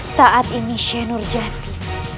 saat ini seh nurjati